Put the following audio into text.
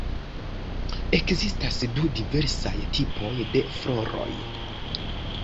Ekzistas du diversaj tipoj de floroj.